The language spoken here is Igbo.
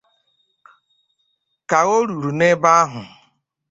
Ka o ruru n'ebe ahụ